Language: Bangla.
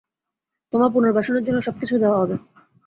তোমার পুনর্বাসনের জন্য সবকিছু দেওয়া হবে।